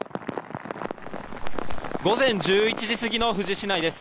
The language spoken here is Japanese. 午前１１時過ぎの富士市内です。